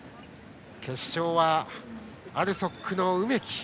決勝はＡＬＳＯＫの梅木。